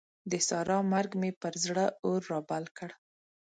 د سارا مرګ مې پر زړه اور رابل کړ.